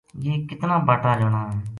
یہ کتنا باٹا جنا ہے